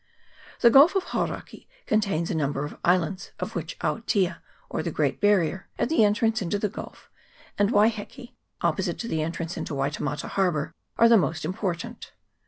The Gulf of Hauraki contains a number of islands, of which Aotea, or the Great Barrier, at the en trance into the gulf, and Waiheke opposite to the entrance into Waitemata harbour, are the most im portant.